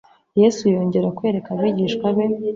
Yesu yongera kwereka abigishwa be